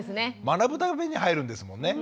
学ぶために入るんですもんね。